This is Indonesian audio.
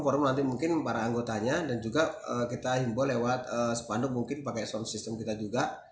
forum nanti mungkin para anggotanya dan juga kita himbo lewat sepanjang mungkin pakai sistem kita juga